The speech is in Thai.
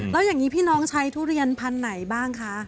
แล้วอย่างนี้พี่น้องใช้ทุเรียนพันธุ์ไหนบ้างคะ